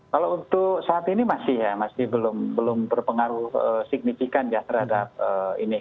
kalau untuk saat ini masih ya masih belum berpengaruh signifikan ya terhadap ini